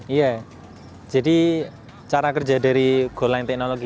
iya jadi cara kerja dari goal line technology